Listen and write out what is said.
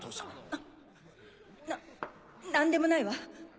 あっな何でもないわ。